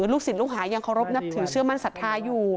ลูกศิษย์ลูกหายังเคารพนับถือเชื่อมั่นศรัทธาอยู่